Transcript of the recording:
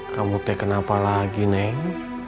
kamu teken apa lagi neng